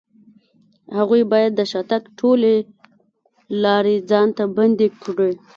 هغوی بايد د شاته تګ ټولې لارې ځان ته بندې کړي.